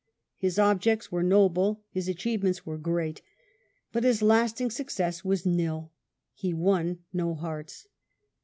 His objects were noble, his achievements were great, but his lasting success was nil. He won no hearts.